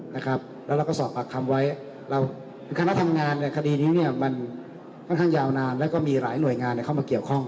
และเราก็สอบปากคำว่าคณะทำงานมันพักหลายหน่ายและมีหลายหน่วยงานเข้ามาเกี่ยวข้อง